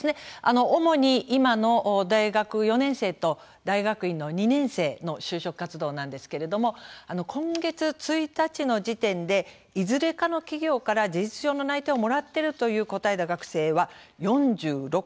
主に今の大学４年生と大学院２年生の就職活動なんですけれども今月１日の時点でいずれかの企業から事実上の内定をもらっていると答えた学生は４６．５％。